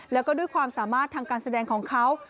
แล้วก็ด้วยความสามารถทางการแสดงของเขา